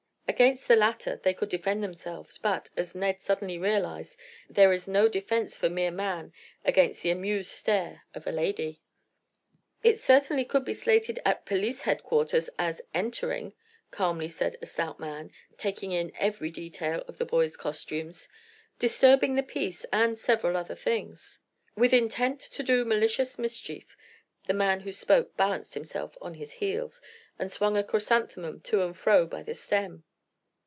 Against the latter they could defend themselves, but, as Ned suddenly realized, there is no defence for mere man against the amused stare of a lady. "It certainly could be slated at police headquarters as 'entering'," calmly said a stout man, taking in every detail of the boys' costumes. "Disturbing the peace and several other things." "With intent to do malicious mischief," the man who spoke balanced himself on his heels and swung a chrysanthemum to and fro by the stem.